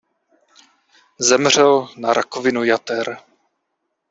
Zemřel na rakovinu jater.